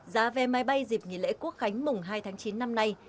giá vé máy bay dịp nghỉ lễ quốc khánh mùng hai tháng chín năm nay